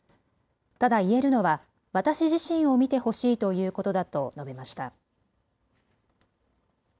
ただ言えるのは私自身を見てほしいということだと述べました。